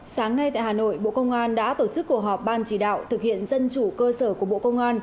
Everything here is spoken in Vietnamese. sáng nay tại hà nội bộ công an đã tổ chức cuộc họp ban chỉ đạo thực hiện dân chủ cơ sở của bộ công an